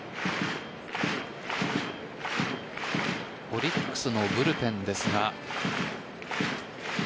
オリックスのブルペンですが。